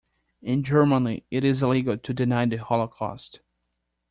In Germany it is illegal to deny the holocaust.